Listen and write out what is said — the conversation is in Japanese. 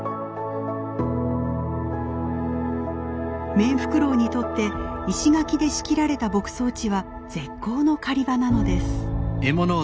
メンフクロウにとって石垣で仕切られた牧草地は絶好の狩り場なのです。